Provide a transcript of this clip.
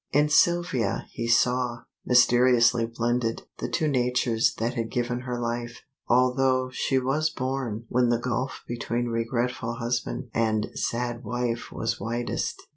In Sylvia he saw, mysteriously blended, the two natures that had given her life, although she was born when the gulf between regretful husband and sad wife was widest.